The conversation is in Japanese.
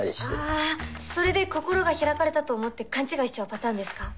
ああそれで心が開かれたと思って勘違いしちゃうパターンですか？